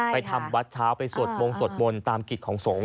ทำวัดเช้าไปสวดมงสวดมนต์ตามกิจของสงฆ์